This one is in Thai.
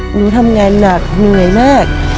หนูทำงานหนักเหนื่อยมาก